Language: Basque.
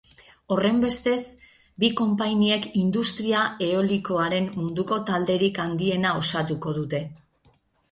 Horrenbestez, bi konpainiek industria eolikoaren munduko talderik handiena osatuko dute.